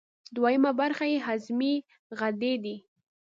دویمه برخه یې هضمي غدې دي.